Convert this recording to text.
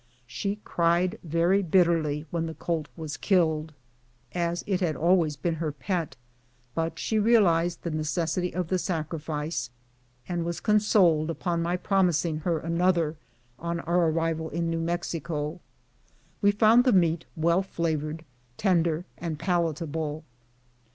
She cried very bitterly when the colt was killed, as it U* 234 MULE STEAKS. had always been her pet ; but she realized the necessity of the sacrifice, and was consoled upon my promising her an other on our arrival in New Mexico. . We found the meat well flavored, tender, and palatable.